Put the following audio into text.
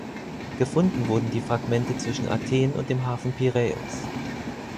Gefunden wurden die Fragmente zwischen Athen und dem Hafen Piräus.